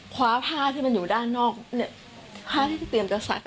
คว้าผ้าที่มันอยู่ด้านนอกผ้าที่เตรียมจะสัก